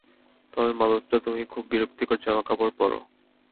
তবে মালোত্রা তুমি খুব বিরক্তিকর জামাকাপড় পরো।